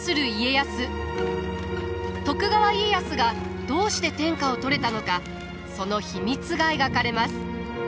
徳川家康がどうして天下を取れたのかその秘密が描かれます。